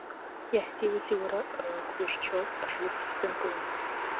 Иаҳзиузеи, уара, Хрушьчов, ажуликцәа ҳзынкылом!